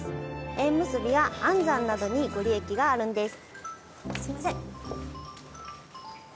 縁結びや安産などにご利益があるんです。